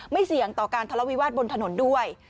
เสี่ยงต่อการทะเลาวิวาสบนถนนด้วย